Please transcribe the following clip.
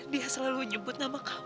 dia selalu nyebut nama kamu